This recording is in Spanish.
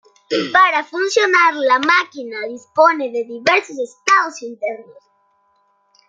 Para funcionar, la máquina dispone diversos estados internos.